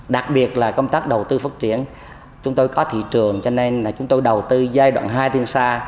đặc biệt là công tác đầu tư phát triển chúng tôi có thị trường cho nên là chúng tôi đầu tư giai đoạn hai tiêm xa